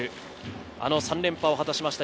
あの３連覇を果たしました